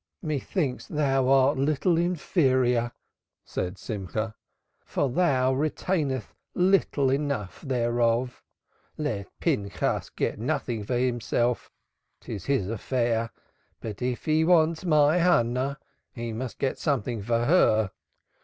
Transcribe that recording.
"Methinks thou art little inferior," said Simcha, "for thou retainest little enough thereof. Let Pinchas get nothing for himself, 'tis his affair, but, if he wants my Hannah, he must get something for her.